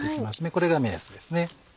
これが目安ですね。